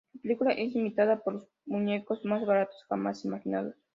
La película es imitada con los muñecos más baratos jamás imaginados.